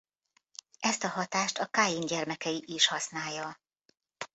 Ezt a hatást a Káin gyermekei is használja.